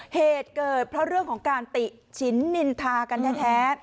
เหตุเกิดเพราะเรื่องของการติฉินนินทากันแท้